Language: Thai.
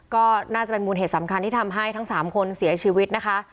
ก็น่าจะเป็นมูลเหตุสำคัญที่ทำให้ทั้ง๓คนเสียชีวิตนะคะ